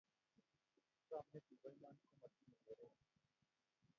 chamyet nopo iman komatinye keret